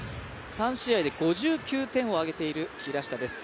３試合で５９点を挙げている平下です。